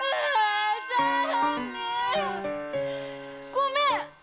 ごめん！